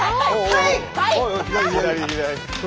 はい！